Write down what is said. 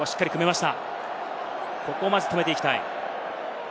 ここはまず止めていきたい。